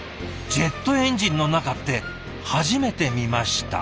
ジェットエンジンの中って初めて見ました。